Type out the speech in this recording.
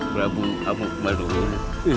brabu amuk malul